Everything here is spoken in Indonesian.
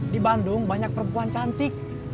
di bandung banyak perempuan cantik